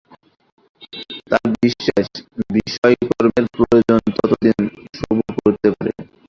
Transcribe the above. তার বিশ্বাস বিষয়কর্মের প্রয়োজন ততদিন সবুর করতে পারে।